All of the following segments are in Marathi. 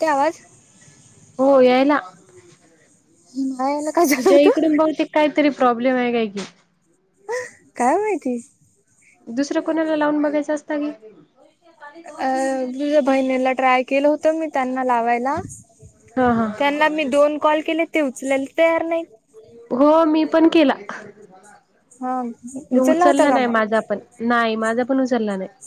ठेवा. हो यायला, हिमालयाला काय झालं तुझ्या होतं? इकडून बहुतेक. कायतरी प्रॉब्लेम आहे काय की काय माहिती दुसरं कोणाला लावून बघायचं असता की अ तुझ्या बहिणीला ट्राय केलं होत मी त्यांना लावायला हा हा त्यांना मी दोन कॉल केले ते उचलायला तयार नाहीत हो मी पण केला हा होता उचलला का नाही मग माझा पण नाही माझा पण उचलला नाही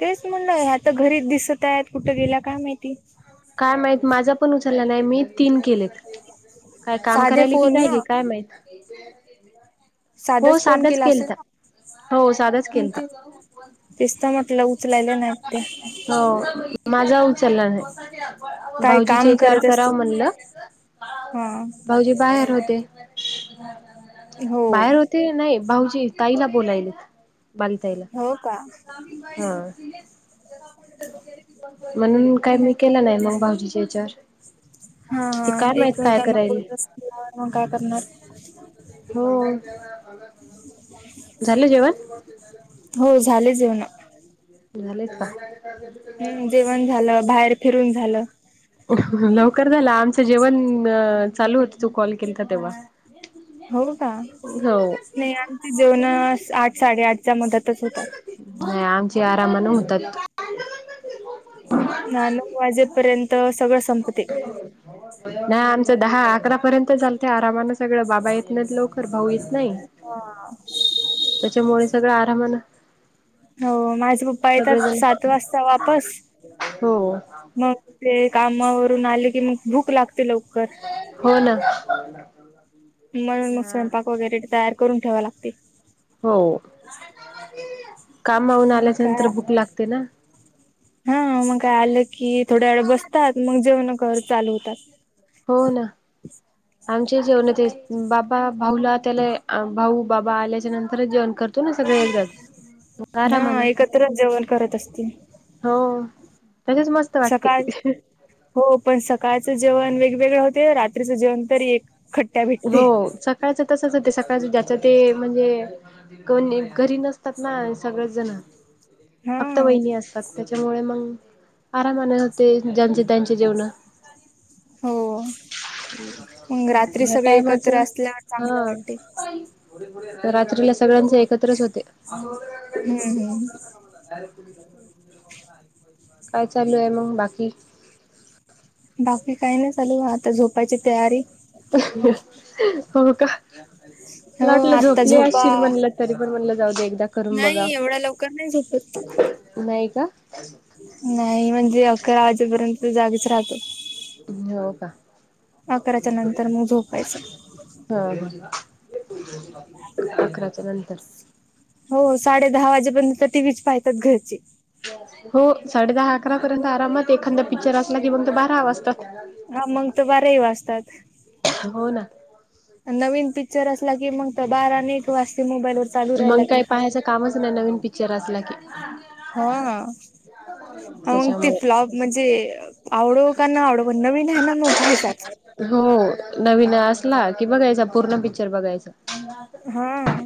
तेच म्हणलं ह्या तर घरीच दिसत आहेत कुठं गेल्या काय माहिती काय माहित माझा पण उचलला नाही मी तीन केलेत काय काम साधे करायले कि फोन काय ना ही काय माहित हो साधच फोन साधाच केला असेल केलता हो साधाच हा केलता ते तेच तर म्हटलं उचलायले नाहीत ते हो माझा उचलला नाही काही भाऊजीच्या काम ह्याच्यावर करत कराव असतील म्हटलं हा भाऊजी बाहेर होते हो बाहेर होते नाही भाऊजी ताईला बोलायलेत बाली ताईला हो का हा हा म्हणून काय मी केला नाही मग भाऊजीच्या याच्यावर हा ते हा काय माहित एक काय त्यांना करायल बोलत असतील तर मग काय करणार हो झालं जेवण हो झाले जेवण झालेत का हू जेवण झालं बाहेर फिरून झालं लवकर झाल आमचं जेवण चालू होत तू कॉल केलता तेव्हा हो का हो नाही आमची जेवण आठ साडेआठच्या मदतच होतात नाही आमचे आरामन होतात ना नऊ वाजेपर्यंत सगळं संपते नाही आमचं दहा अकरा पर्यंत चालतंय आरामान सगळं बाबा येत नाहीत लवकर पर भाऊ येत नाही हा. त्याच्यामुळे सगळं आरामान हो माझ पप्पा येतात सात वाजता वापस हो मग ते कामावरून आले की मग भूक लागते लवकर हो ना म्हणून मग हा स्वयंपाक वगैरे तयार करून ठेवाय लागतय हो कामाहून मग आल्याच्या काय नंतर भूक लागते ना हा मग काय आलं की थोड्या वेळ बसतात मग जेवण कर चालू होतात हो ना आमचे जेवण बाबा भाऊला त्याला भाऊ बाबा आल्याच्या नंतरच जेवण कर तुम्ही सगळे एकदाच आरामान हा एकत्रच जेवण करत असतील हो तसेच मस्त वाटते सकाळ हो पण सकाळचं जेवण वेगवेगळं होते रात्रीचं जेवण तर एक खट हो सकाळचं तसच होते सकाळच ज्याच ते म्हणजे कोनी घरी नसतात ना सगळेच जण फक्त हा. वहिनी असतात त्याच्यामुळे मग आरामान होते ज्यांची त्यांची जेवण हो मग रात्री ह्या सगळे टायमाच एकत्र असल्यावर चांगलं हा वाटते रात्रीला सगळ्यांचे एकत्रच होते हम्म हम्म काय चालू हाय मंग बाकी बाकी काय नाही चालू आता झोपायची तयारी हो का मला हो वाटलं आत्ता झोपले झोपा असशील म्हणलं तरी पण म्हणलं जाऊ दे एकदा करून नाही बघावं एवढ्या लवकर नाही झोपत. नाही का [unintelligible] नाही म्हणजे अकरा वाजेपर्यंत जागीच राहते हो का अकराच्या नंतर मग झोपायचं हा ह अकराच्या नंतर हो साडे दहा वाजेपर्यंत तर टिव्हीच पायतात घरचे हो साडे दहा अकरा पर्यंत आरामात एखांदा पिक्चर असला की मग तो बारा वाजतात हा मंग त बारेही वाजतात हो ना नवीन पिक्चर असला की मग त बारा आणि एक वाजता मोबाईल वर चालू मग राहिला की काही पाहायचं कामच नाही नवीन पिक्चर असला की हा मग ते त्याच्यामुळे फ्लब म्हणजे आवडो का नाही आवडो पण नवीन आहे ना मग पाहायचाच हो नवीन असला की बघायचा पूर्ण पिक्चर बघायचा हां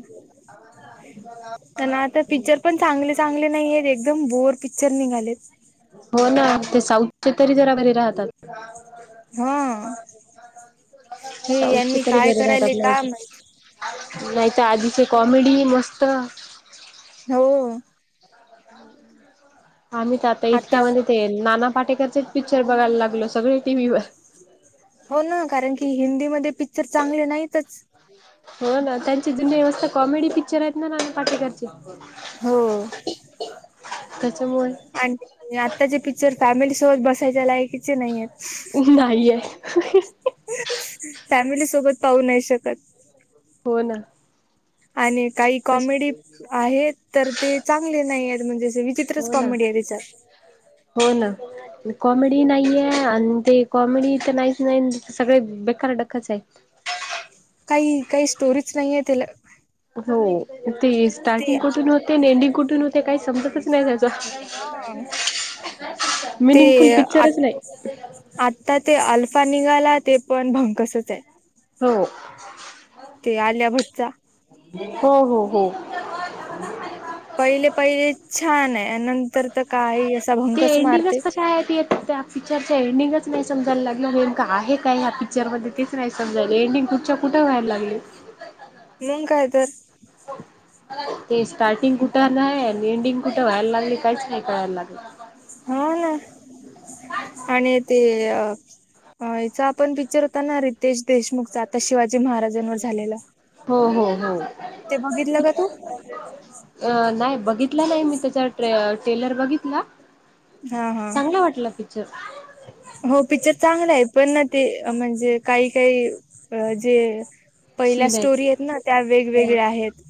[unintelligible] ना आता पिक्चर पण चांगले चांगले नाही आहेत एकदम बोर पिक्चर निघालेत हो ना ते साऊथचे तरी जरा बरे राहतात हा. हे साऊथ यांनी तरी काय बरे करायले राहतात काय माहित. [unintelligible] नाही तर आधीचे कॉमेडी मस्त हो आम्ही तर आता इतक्या म्हणजे ते नाना पाटेकरचेच पिक्चर बघायला लागलो सगळे टी व्हीवर हो ना कारण की हिंदीमध्ये पिक्चर चांगले नाहीतच हो ना त्यांची जुन्या व्यवस्था कॉमेडी पिक्चर आहेत नाना पाटेकरची हो. त्याच्यामुळे आणि आत्ताचे पिक्चर फॅमिलीसोबत बसायच्या लायकीचे नाहीयेत ये फॅमिली सोबत पाहू नाही शकत. हो ना आणि काही तशी कॉमेडी आहेत तर ते चांगले नाहीयेत म्हणजे असे विचित्रच हो ना कॉमेडी आहेत तिच्यात हो ना कॉमेडी नाहीये आणि ते कॉमेडी इथ नाहीच नाही सगळे बेकार डखच हाय काही काही स्टोरीच नाहीये तीला हो ते ते स्टार्टिंग कुठून होते आणि एंडिंग कुठून होते काय समजत च नाही हा जायच ते मिनिंगफुल आ पिक्चरच नाही. आता ते अल्फा निघाला ते पण भंकसच हाय. हो ते आलीया भट्टचा हो हो हो पहिले, पहिले छान आहे नंतर तर काही असा ते भंगच एंडिंगच मारते. कशा आहे ते त्या पिक्चरच एंडिंगच नाही समजायला लागल नेमकं आहे काय ह्या पिक्चरमध्ये ते नाही समजायला एंडिंग कुठच्या कुठे व्हायला लागली. मग काय तर. ते स्टार्टिंग कुठं आहे आणि एंडिंग कुठं व्हायला लागले काहीच नाही कळायला लागले. हा ना आणि ते याचा आपण पिक्चर होता ना रितेश देशमुखचा आता शिवाजी महाराज जन्म झालेलं हो हो हो ते बघितलं का तू? अ नाही बघितला नाही मी त्याचा ट्रेलर बघितला. हा हा. चांगलं वाटला पिक्चर. हो पिक्चर चांगला आहे पण ना ते म्हणजे काही, काही जे पहिल्या सीन स्टोरी आहे आहेत ना त्या वेगवेगळ्या आहेत.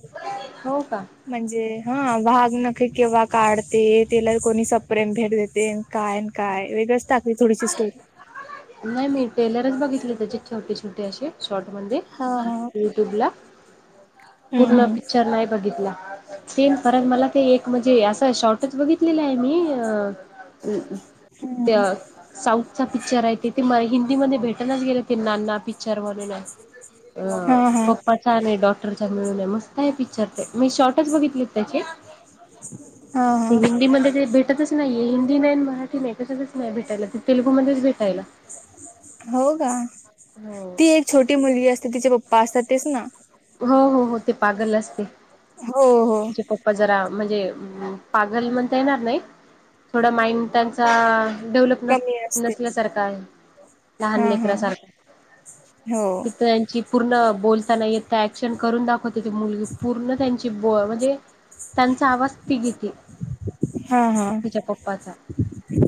हो का. म्हणजे हा वाघ नखे केव्हा काढते त्याला कोणी सप्रेम भेट देते काय काय वेगळच टाकली थोडीशी स्टोरी. नाही मी टेलरच बघितले त्याचे छोटे, छोटे असे शॉर्ट मध्ये हा हा. युट्युबला हम्म पूर्ण हम्म. पिक्चर नाही बघितला. सेम परत मला ते एक म्हणजे असं शॉर्टच बघितलेलं आहे मी अ त्या हम्म. साऊथ चा पिक्चर आहे ते ते हिंदी मध्ये भेटणाच गेले ते नाना पिक्चर म्हणून आहे. अ हा हा पप्पाचा आणि डॉक्टरचा मिळून आहे मस्त आहे पिक्चर ते मी शॉर्टच बघितले ते हा हा हिंदी मध्ये भेटतच नाहीये हिंदी नाही, मराठी नाही कशातच नाही भेटायला त तेलुगूमध्येच भेटायला. हो का. हो. ती एक छोटी मुलगी असते तिचे पप्पा असतात तेच ना? हो हो हो ते पागल असते. हो हो. तिचे पप्पा जरा म्हणजे पागल म्हणता येणार नाही. थोडा माइंड त्यांचा डेव्हलप नस, कमी असते. नसल्यासारखा आहे लहान हा हा लेकरासारखा. [inaudible] तिथ त्यांची पूर्ण बोलताना येत ऍक्शन करून दाखवते ते मुल पूर्ण त्यांची ती बो म्हणजे त्यांचा आवाज तिघेती हा हा तिच्या पप्पाचा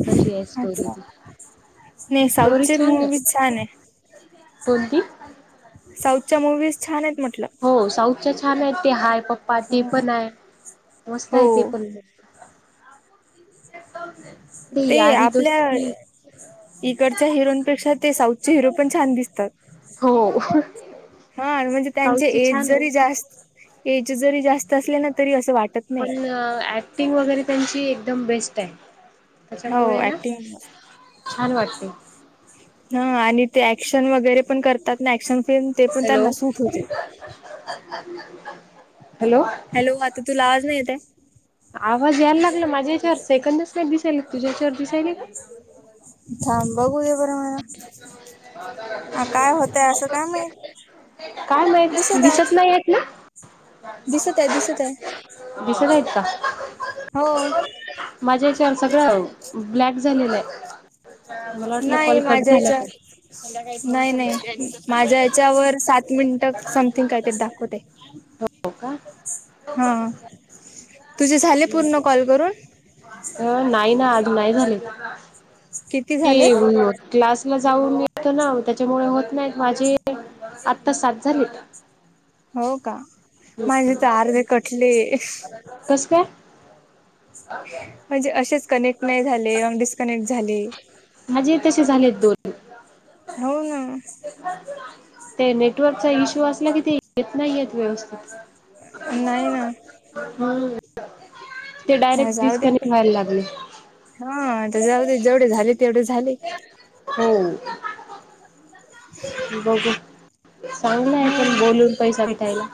तशी आहे स्टोरी अच्छा. ती. नाही साऊथ स्टोरी चे मूवी छान आहे. कोणी ती? साऊथच्या मूवीज छान आहेत म्हटलं. हो साऊथ च्या छान आहेत ते हाय पप्पा ते हो. पण आहे मस्त आहे ते हो पण [inaudible] ते यारी आपल्या दोस्ती इकडच्या हिरोपेक्षा ते साऊथचे हिरो पण छान दिसतात. हो. हा म्हणजे त्यांचे साऊथचे एज छान जरी आहेत जास्त, एज जरी जास्त असले ना तरी असं वाटत पण नाही. ऍक्टिंग वगैरे त्यांची एकदम बेस्ट आहे. हो त्याच्यामुळे ना ऍक्टिंग छान वाटते. हा आणि ते ऍक्शन वगैरे पण करतात ना ऍक्शन फिल्म ते पण हॅलो त्यांना सूट होते. हॅलो हॅलो आता तूला आज नाही येतय? आवाज यायला लागला माझ्या याच्यावर सेकंदच नाही दिसायला. तुझ्याच्यावर दिसायला का? थांब बघूद्या बर मला हा काय होतय असं काय माहीत काय माहित दिसत आहे नाही येत ना. दिसत आहे दिसत आहे. दिसत आहेत का हो. माझ्या हच्यावर सगळं ब्लॅक झालेलं आहे. मला वाटलं नाही कॉल कट माझ्या झाला का याच्यावर. नाही नाही माझ्या हच्यावर सात मिनट समथिंग कायतरी दाखवत आहे हो हा तुझे झाले पूर्ण का कॉल करून? अ नाही ना आज नाही झाले. किती झाले क्लास ला जाऊन येतो ना त्याच्यामुळे होत नाहीत माझी. आ. ता सात झालीत हो का माझे तर अर्धे कटले कस काय? म्हणजे असेच कनेक्ट नाही झाले मग डिस्कनेक्ट झाले. माझे तसे झालेत दोन हो ना. ते नेटवर्कचा इश्यू असला कि ते येत नाही य व्यवस्थित नाही ना. हम्म. ते हा डायरेक्ट जाऊ डिस्कनेक्ट देण व्हायला लागले. हा आता जाऊ दे जेवढे झाले तेवढे झाले हो बघू. चांगलं आहे हो पण बोलून पैसा भेटायला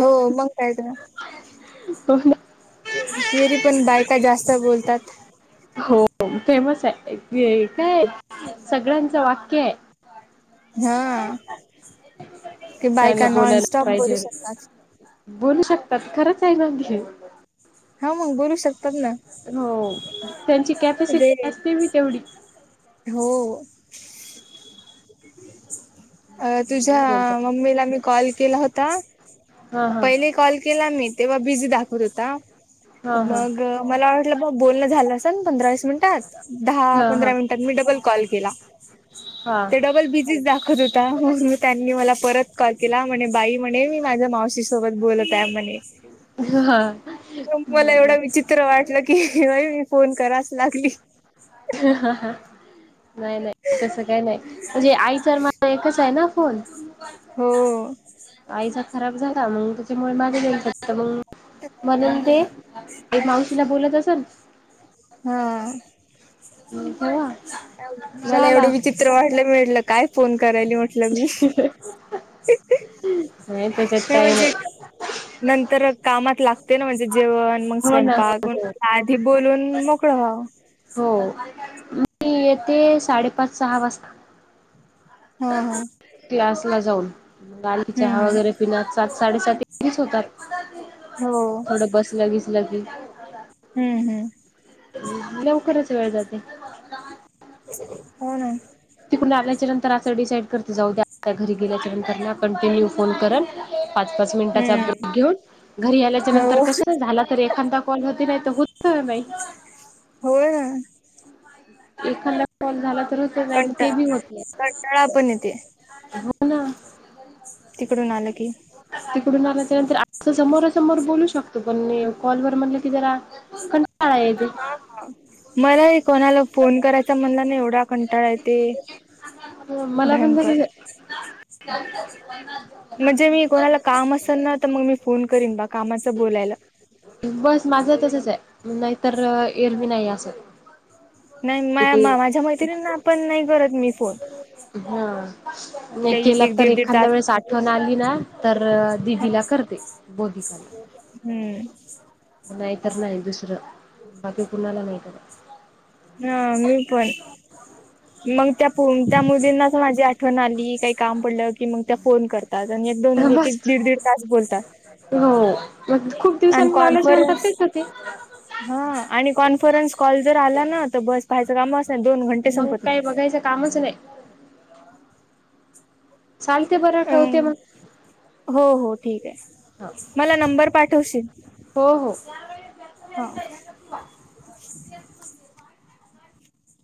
हो मंग कायच. हो ना. फरी पण बायका जास्त बोलतात. हो फेमस आहे काय सगळ्यांचं वाक्य आहे. हा ते त्यांना बायका बोलायला नॉनस्टॉप बोलू पाहिजे. शकतात बोलू शकतात खरंच आहे ना हा मग बोलू शकतात ना. हो त्यांची ते कॅपॅसिटी असते बी तेवढी. हो. अ तुझ्या लय बोलतात. मम्मीला मी कॉल केला होता. हा हा पहिले कॉल केला मी तेव्हा बिझी दाखवत होता. हा हा मग मला वाटलं बोलण झालं पंधरा वीस मिनिटात. दहा हा पंधरा मिनट तर मी डबल कॉल केला हा ते डबल बिझी च णून म त्यांनी मला परत कॉल केला म्हणे बाई म्हणे मी माझा मावशी सोबत बोलत आहे म्हणे हा. मला एवढं विचित्र वाटलं की मी फोन कराच लागली. ह हाहाहा. नाई नाई तसं काई नाई म्हणजे आईचा माजा एकचाय ना फोन. हंअं आईचा खराब झाला मंग त्याच्यामुळे माझ्या [unintelligible] म्हनन दे ते मावशीला बोलत असन हा अं कवा? मला एवडं विचित्र वाटलं. मी म्हटलं काय फोन करायली म्हटलं मी. इ इहीही नाही त्याच्यात हे काही म्हणजे नाही नंतरं कामात लागते ना म्हणजे जेवण मंग हो ना सैंपाक हो म्हणून आधी बोलून मग [unintelligible] हो, मी येते साडेपाच सहा वाजता. हं हं. क्लासला जाऊ, बारीक हम्म चहा वगरे हम्म पिण्यात सात साडेसात तिकेच्च होतात. हो थोडं बसलं बिसलं की, - - हु हं. लवकरच वेळ जाते. हो ना. तिकडून आल्याच्या नंतर असं डिसाईड करतं जाऊ दया घरी गेल्याच्या नंतर म कंटिन्यू फोन करंल पाच पाच मिनिटाचा हम्म ब्रेक घेऊन घरी आल्याच्या हो नंतर कसा ना झाला तर एखांदा फोनमधे नाई त होत्त नाई. होय. एखांदा कॉल झाला तरच कंटाळा, कंटाळा पण येते. [unintelligible] तिकडून आलं की तिकडून आल्याच्यानंतर अत्त समोरासमोर बोलू शकतो पण नि कॉलवर म्हण की दरा [inaudible] कंटाळा येतो. मला ही कोणाला फोन करायचा म्हणलं ना की, एवढा कंटाळा येते. हो मला पण भयंकर घरीजा चालतं, [inaudible] म्हणजे मी कोणाला काम असल ना, त म मी फोन करीन बा कामाचं बोलायला. वंस माझं तसच आय नाहीतर्र एरवी नायी असं. नाई, मा किती माझ्या मैत्रिणींना पण नाही करत मी फोन. हा, नाही त्या एक केला एक तर दीड दीड एखांद्या तास वेळेस आठ वण आली ना तर्र हा दिदीला करते, बोधिकाला. हम्म नायी तर नायी दुसरं, बाकी कुणाला नाही करत. हं मी पण, मंग त्यात कोनत्या मुलींनाच माझी आठवण आली काही काम पडलं की मंग त्या फोन करतात, अन एकदोन ले बस दीड दीड तास बोलतात. हो, मग खूप दिवसांनी लावल्याच्या नंतर तेच होते. हं आणि कॉन्फरन्स कॉल जर आला ना तर बस. पाह्यचं कामच नाही दोन पा मंग काय, बघायचं कामच नाही. चालते बरं अ ठेवते मग. हो, हो ठीक आहे, ह मला नंबर पाठवशील? हो, हो. ह.